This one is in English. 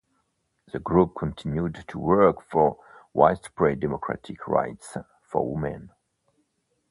The group continued to work for widespread democratic rights for women.